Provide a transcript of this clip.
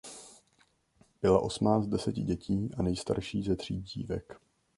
Byla osmá z deseti dětí a nejstarší z tří dívek.